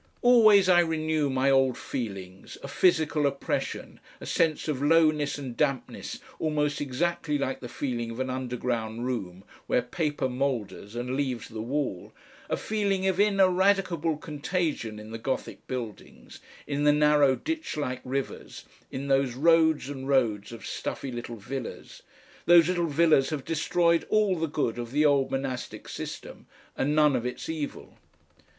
Always I renew my old feelings, a physical oppression, a sense of lowness and dampness almost exactly like the feeling of an underground room where paper moulders and leaves the wall, a feeling of ineradicable contagion in the Gothic buildings, in the narrow ditch like rivers, in those roads and roads of stuffy little villas. Those little villas have destroyed all the good of the old monastic system and none of its evil....